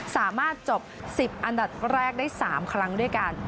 สามารถจบ๑๐อันดับแรกได้๓ครั้งด้วยกัน